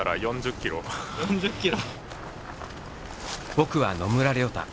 「僕」は野村良太。